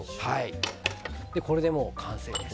これでもう完成です。